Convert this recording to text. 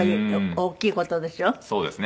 そうですね。